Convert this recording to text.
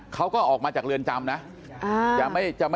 เขาก็ออกมาจากเรือนจำนะ